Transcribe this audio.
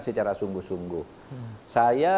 secara sungguh sungguh saya